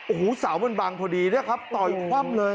โอ้โหสาวบันบังพอดีนะครับต่อคว่ำเลย